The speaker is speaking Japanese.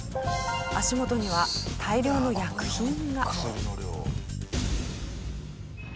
足元には大量の薬品が。